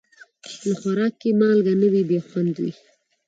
که خوراک کې مالګه نه وي، بې خوند وي.